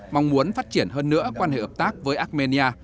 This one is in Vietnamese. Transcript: mong muốn phát triển hơn nữa quan hệ hợp tác với armenia